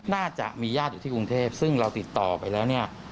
น่าจะมีญาติอยู่ที่กรุงเทพซึ่งเราติดต่อไปแล้วเนี่ย